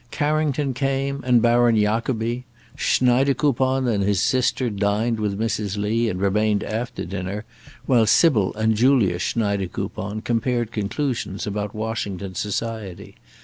Carrington came, and Baron Jacobi. Schneidekoupon and his sister dined with Mrs. Lee, and remained after dinner, while Sybil and Julia Schneidekoupon compared conclusions about Washington society.